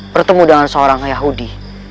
pertemu dengan seorang yahudi